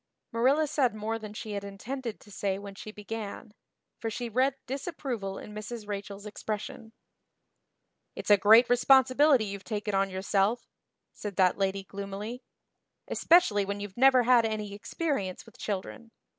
Marilla said more than she had intended to say when she began, for she read disapproval in Mrs. Rachel's expression. "It's a great responsibility you've taken on yourself," said that lady gloomily, "especially when you've never had any experience with children.